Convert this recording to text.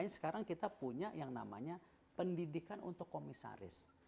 sekarang kita punya yang namanya pendidikan untuk komisaris